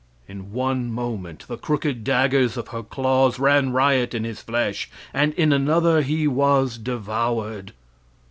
In one moment the crooked daggers of her claws ran riot in his flesh, and in another he was devoured.